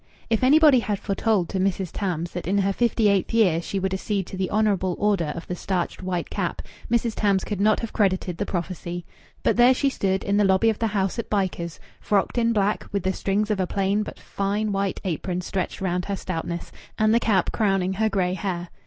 If anybody had foretold to Mrs. Tams that in her fifty eighth year she would accede to the honourable order of the starched white cap, Mrs. Tams could not have credited the prophecy. But there she stood, in the lobby of the house at Bycars, frocked in black, with the strings of a plain but fine white apron stretched round her stoutness, and the cap crowning her grey hair.